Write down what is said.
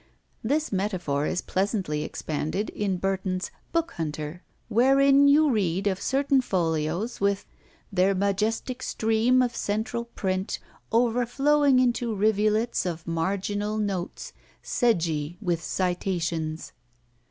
This metaphor is pleasantly expanded in Burton's "Bookhunter": wherein you read of certain folios with "their majestic stream of central print overflowing into rivulets of marginal notes, _sedgy with citations.